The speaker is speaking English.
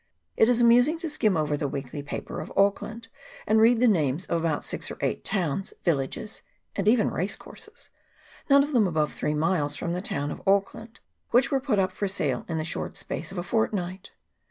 It is amusing to skim over the weekly paper of Auck land, and read the names of about six or eight towns, villages, and even racecourses, none of them above three miles from the town of Auckland, which were put up for sale in the short space of a fort night.